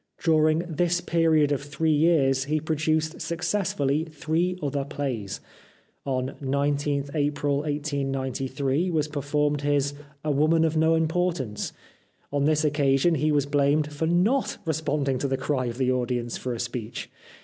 During this period of three years he pro duced successfully three other plays. On 19th April 1893 was performed his " A Woman of No Importance." On this occasion he was blamed for not responding to the cry of the audience for a speech.